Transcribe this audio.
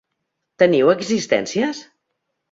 Teniu existències?